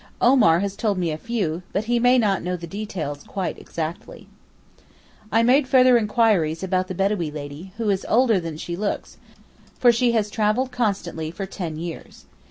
Omar has told me a few, but he may not know the details quite exactly. I made further inquiries about the Bedawee lady, who is older than she looks, for she has travelled constantly for ten years.